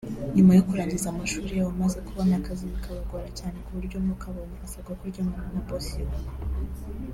nyuma yo kurangiza amashuri yabo maze kubona akazi bikabagora cyane kuburyo n’ukabonye asabwa kuryamana na boss we